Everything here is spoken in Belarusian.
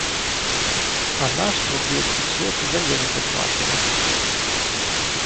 А наш рубель ўсё ж залежыць ад вашага.